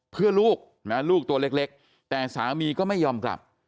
เพื่อลูกนะลูกตัวเล็กแต่สามีก็ไม่ยอมกลับ